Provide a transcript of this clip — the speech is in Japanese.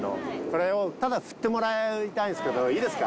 これをただ振ってもらいたいんすけどいいですか？